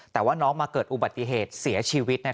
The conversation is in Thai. แต่ว่าน้องมาเกิดอุบัติเหตุเสียชีวิต